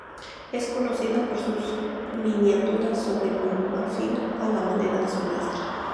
Es conocida por sus miniaturas sobre marfil a la manera de su maestra.